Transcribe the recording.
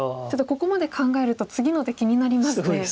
ちょっとここまで考えると次の手気になりますね。